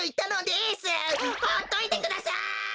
ほっといてください！